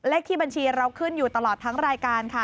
เลขที่บัญชีเราขึ้นอยู่ตลอดทั้งรายการค่ะ